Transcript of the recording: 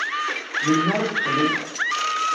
Melmi ara d-qqlen?